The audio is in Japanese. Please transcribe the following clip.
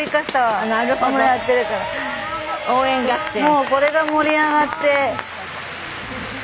もうこれが盛り上がって。